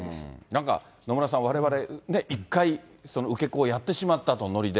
なんか、野村さん、われわれ、１回受け子をやってしまったと、のりで。